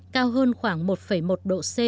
cao hơn khoảng một một độ c